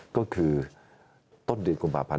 ก็คือต้นดึงกลุ่มประพันธ์